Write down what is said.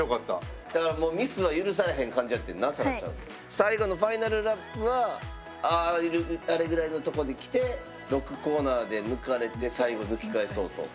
最後のファイナルラップはあれぐらいのとこで来て６コーナーで抜かれて最後抜き返そうと。